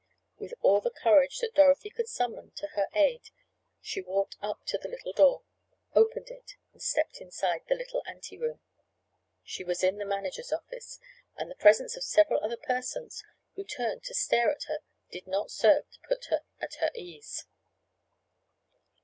With all the courage that Dorothy could summon to her aid she walked up to the little door, opened it and stepped inside a little ante room. She was in the manager's office, and the presence of several other persons, who turned to stare at her did not serve to put her at her ease.